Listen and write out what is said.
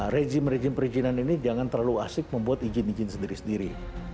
rejim rejim perizinan ini jangan terlalu asik membuat izin izin sendiri sendiri